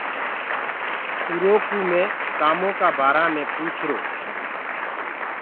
اُرو ڪوُ مي ڪآمونٚ ڪآ بآرآ مي پوُڇرو۔